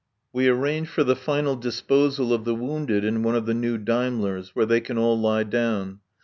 We arrange for the final disposal of the wounded in one of the new Daimlers, where they can all lie down.